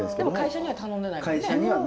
でも会社には頼んでないもんね？